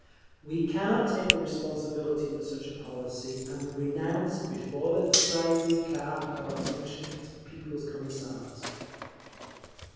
We cannot take the responsibility for such a policy, and we renounce before the Tsay ee kah our function as People's Commissars.